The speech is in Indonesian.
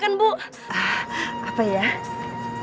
ada yang bisa saya langsung kerjakan